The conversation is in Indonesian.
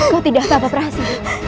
kau tidak apa apa perhiasan